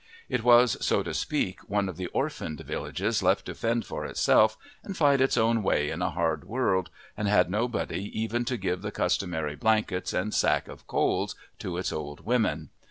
It was, so to speak, one of the orphaned villages left to fend for itself and fight its own way in a hard world, and had nobody even to give the customary blankets and sack of coals to its old women.